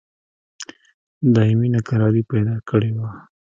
دایمي ناکراري پیدا کړې وه.